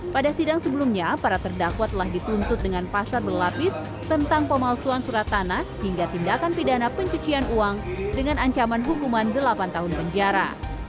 pada sidang sebelumnya para terdakwa telah dituntut dengan pasar berlapis tentang pemalsuan surat tanah hingga tindakan pidana pencucian uang dengan ancaman hukuman delapan tahun penjara